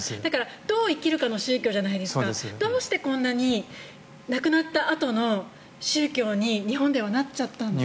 どう生きるかの宗教じゃないですかどうしてこんなに亡くなったあとの宗教に日本ではなっちゃったんでしょう。